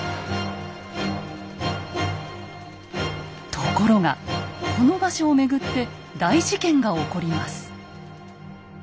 ところがこの場所をめぐって大事件が起こります。